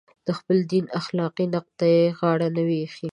د خپل دین اخلاقي نقد ته یې غاړه نه وي ایښې.